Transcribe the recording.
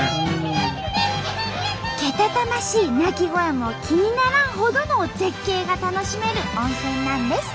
けたたましい鳴き声も気にならんほどの絶景が楽しめる温泉なんです。